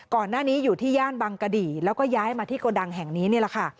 ก่อนหน้านี้อยู่ที่ย่านบังกะดีแล้วก็ย้ายมาที่โกดังแห่งนี้นี่แหละค่ะ